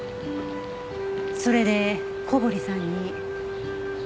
それで小堀さんに？